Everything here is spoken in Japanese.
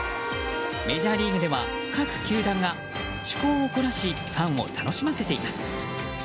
メジャーリーグでは、各球団が趣向を凝らしファンを楽しませています。